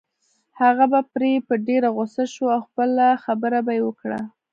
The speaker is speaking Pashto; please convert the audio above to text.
هغه به پرې په ډېره غصه شو او خپله خبره به يې وکړه.